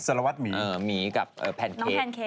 สะระวัดหมีเออหมีกับแพนเค้ก